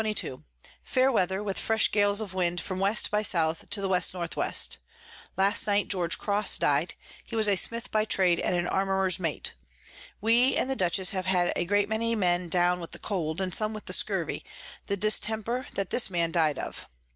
_ Fair Weather, with fresh Gales of Wind from W by S. to the W N W. Last night George Cross died; he was a Smith by Trade, and Armourer's Mate. We and the Dutchess have had a great many Men down with the Cold, and some with the Scurvey; the Distemper that this Man died of.